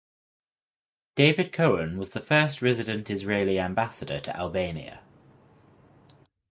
David Cohen was the first resident Israeli Ambassador to Albania.